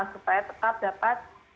supaya tetap dapat